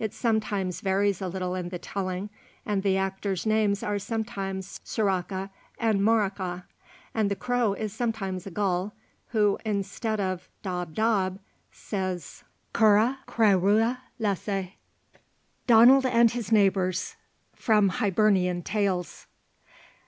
It sometimes varies a little in the telling, and the actors' names are sometimes Suracha and Muracha, and the crow is sometimes a gull, who, instead of daub! daub! says cuir cré rua lesh! DONALD AND HIS NEIGHBOURS. _From Hibernian Tales.